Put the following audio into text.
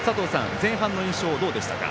前半の印象どうでしたか？